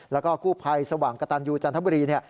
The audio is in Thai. แล้วก็กู้ภัยสว่างกระตันยูจันทบุรีเนี่ย